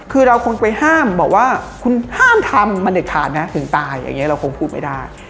คือเราคงไปห้ามบอกว่าคุณห้ามทำมันเด็ดขาดนะถึงตายอย่างนี้เราคงพูดไม่ได้